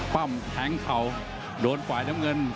ปั้มแทงเข่าโดนฝ่ายน้ำเงิน